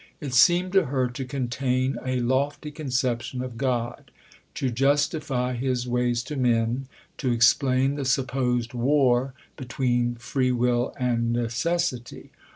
It seemed to her to contain a lofty conception of God; to justify His ways to men; to explain the supposed war between Free Will and Necessity.